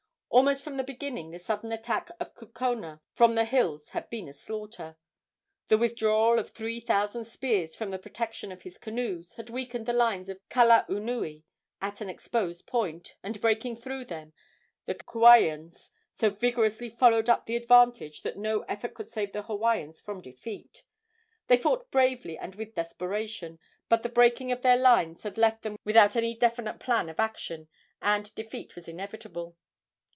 Almost from the beginning the sudden attack of Kukona from the hills had been a slaughter. The withdrawal of three thousand spears for the protection of his canoes had weakened the lines of Kalaunui at an exposed point, and, breaking through them, the Kauaians so vigorously followed up the advantage that no effort could save the Hawaiians from defeat. They fought bravely and with desperation; but the breaking of their lines had left them without any definite plan of action, and defeat was inevitable.